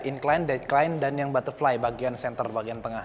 incline deadcline dan yang butterfly bagian center bagian tengah